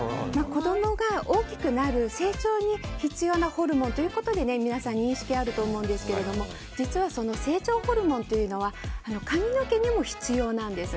子供が大きくなる成長に必要なホルモンということで皆さん認識があると思うんですけど実は、その成長ホルモンは髪の毛にも必要なんです。